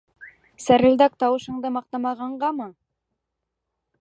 Сәрелдәк тауышыңды маҡтамағанғамы?